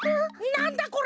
なんだこれ？